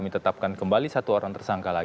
itu adalah hal paling pentas